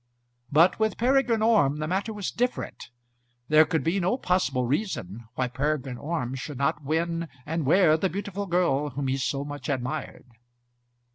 But with Peregrine Orme the matter was different. There could be no possible reason why Peregrine Orme should not win and wear the beautiful girl whom he so much admired.